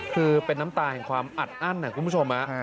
คือเป็นน้ำตาแห่งความอัดอั้นคุณผู้ชม